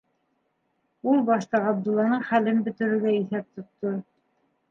Ул башта Ғабдулланың хәлен бөтөрөргә иҫәп тотто.